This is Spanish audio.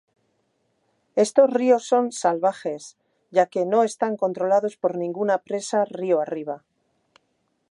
Estos ríos son 'salvajes', ya que no están controlados por ninguna presa río arriba.